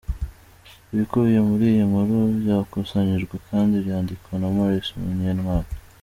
Ibikubiye muri iyi nkuru byakusanyijwe kandi byandikwa na Maurice Munyentwali.